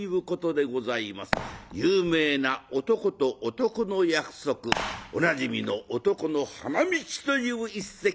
有名な男と男の約束おなじみの「男の花道」という一席